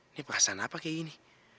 ini bahasan apa kayak gini